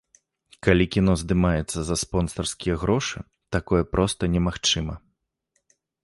Калі кіно здымаецца за спонсарскія грошы, такое проста немагчыма.